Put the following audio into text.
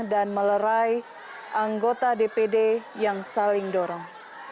dan melerai anggota dpd yang saling dorong